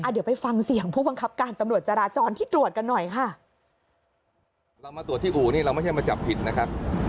เดี๋ยวไปฟังเสียงผู้บังคับการตำรวจจาราจรที่ตรวจกันหน่อยค่ะ